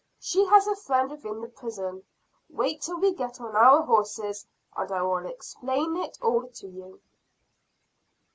She has a friend within the prison. Wait till we get on our horses, and I will explain it all to you."